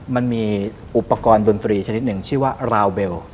มันมีอุปกรณ์ดนตรีชนิดหนึ่งชื่อว่าราวเบล